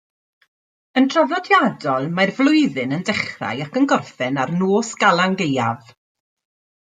Yn draddodiadol, mae'r flwyddyn yn dechrau ac yn gorffen ar Nos Galan Gaeaf.